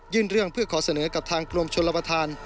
เรื่องเพื่อขอเสนอกับทางกรมชนรับประทาน